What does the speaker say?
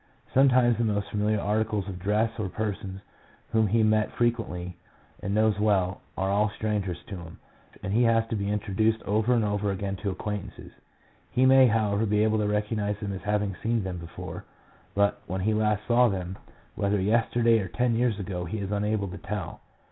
Sometimes the most familiar articles of dress, or persons whom he has met frequently and knows well, are all strange to him, and he has to be introduced over and over again to acquaintances. He may, however, be able to recognize them as having seen them before, but when he last saw them, whether yesterday or ten years ago, he is unable to tell.